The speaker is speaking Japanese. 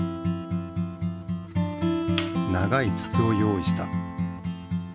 長いつつを用意した。